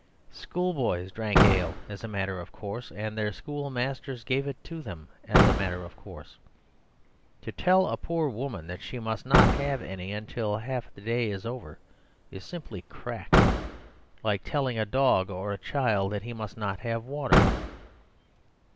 Schoolboys drank ale as a matter of course, and their schoolmasters gave it to them as a matter of course. To tell a poor woman that she must not have any until half the day is over is simply cracked, like telling a dog or a child that he must not have water.